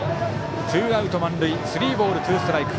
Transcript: ツーアウト満塁スリーボールツーストライク。